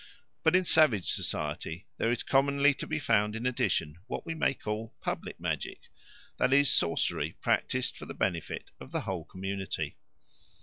But in savage society there is commonly to be found in addition what we may call public magic, that is, sorcery practised for the benefit of the whole community.